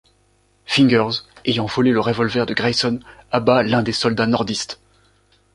Fingers, ayant volé le revolver de Grayson, abat l'un des soldats nordistes.